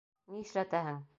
Ни эшләтәһең?